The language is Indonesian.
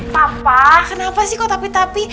papa kenapa sih kok tapi tapi